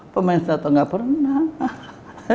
pemain satu nggak pernah